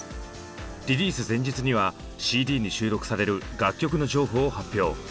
リリース前日にはＣＤに収録される楽曲の情報を発表。